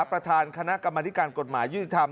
ประธานคณะกรรมนิการกฎหมายยุติธรรม